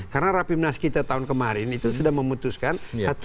karena rapimnas kita tahun kemarin itu sudah memutuskan